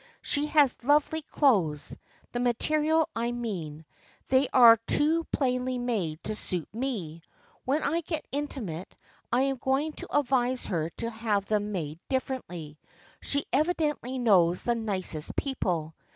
She has lovely clothes, the material I mean. They are too plainly made to suit me. When I get intimate I am going to advise her to have them made differently. She evidently knows the nicest people.